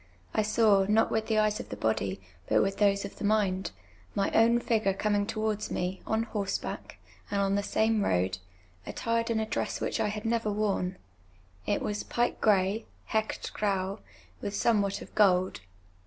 I saw, not with tlie eyes of the bodv, but with those of the mind, my own fij^ure eomin«; towards me, on hoi seback. and on the same road, attired in a dress which I had never worn ;— it was j)ike «;rey [/irc/tf t/raii] with somewhat of };old.